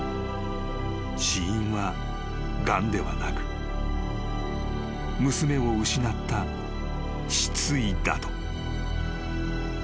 ［死因はがんではなく娘を失った失意だと］